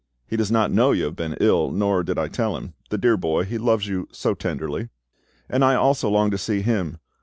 He does not know you have been ill, nor did I tell him. The dear boy! he loves you so tenderly." "And I also long to see him.